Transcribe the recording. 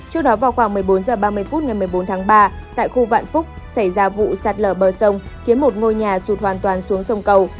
trước đó vào khoảng một mươi bốn h ba mươi phút ngày một mươi bốn tháng ba tại khu vạn phúc xảy ra vụ sạt lở bờ sông khiến một ngôi nhà sụt hoàn toàn xuống sông cầu